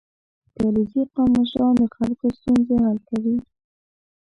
• د علیزي قوم مشران د خلکو ستونزې حل کوي.